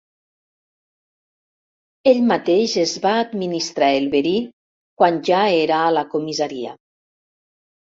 Ell mateix es va administrar el verí quan ja era a la comissaria.